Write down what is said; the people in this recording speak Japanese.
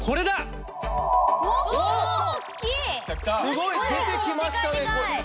すごい。出てきましたね。